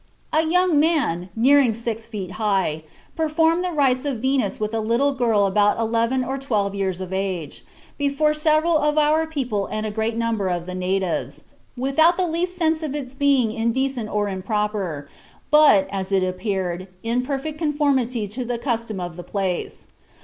A young man, near six feet high, performed the rites of Venus with a little girl about eleven or twelve years of age, before several of our people and a great number of the natives, without the least sense of its being indecent or improper, but, as it appeared, in perfect conformity to the custom of the place.